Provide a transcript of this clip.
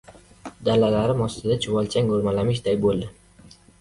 Dalalarim ostida chuvalchang o‘rmalamishday bo‘ldi.